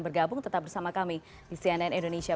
bergabung tetap bersama kami di cnn indonesia